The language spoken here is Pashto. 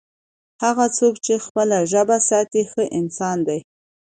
هغه څوک چي خپله ژبه ساتي، ښه انسان دی.